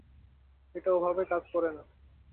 এটা ওভাবে কাজ করে না।